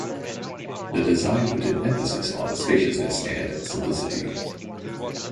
The design put an emphasis on spaciousness and simplicity.